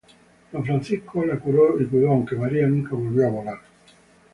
D. Francisco la curó y cuidó, aunque María nunca volvió a volar.